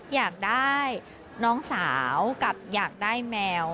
อยากได้น้องสาวกับอยากได้แมว